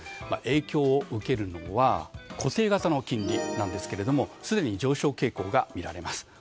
影響を受けるのは固定型の金利なんですがすでに上昇傾向が見られます。